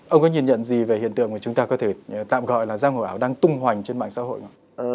ông có nhìn nhận gì về hiện tượng mà chúng ta có thể tạm gọi là giang hồ ảo đang tung hoành trên mạng xã hội không